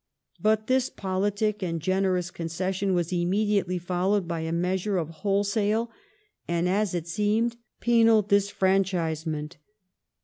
But this politic and generous concession was immediately fol lowed by a measure of wholesale, and, as it seemed, penal dis franchisement.